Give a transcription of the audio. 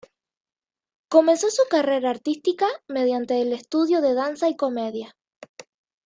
Comenzó su carrera artística mediante el estudio de danza y comedia.